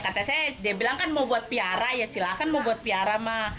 kata saya dia bilang kan mau buat piara ya silahkan mau buat piara mah